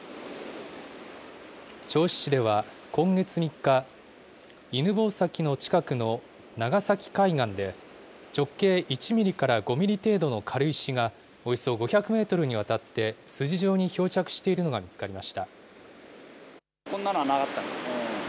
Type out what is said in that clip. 銚子市では今月３日、犬吠埼の近くの長崎海岸で、直径１ミリから５ミリ程度の軽石がおよそ５００メートルにわたって筋状に漂着しているのが見つかりました。